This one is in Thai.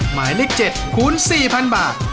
หมายเลข๗คูณ๔๐๐๐บาท